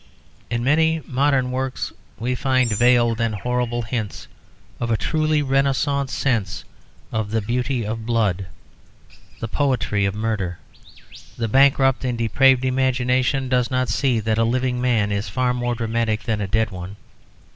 In many modern works we find veiled and horrible hints of a truly Renaissance sense of the beauty of blood, the poetry of murder. The bankrupt and depraved imagination does not see that a living man is far more dramatic than a dead one.